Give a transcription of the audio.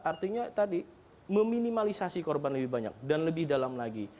artinya tadi meminimalisasi korban lebih banyak dan lebih dalam lagi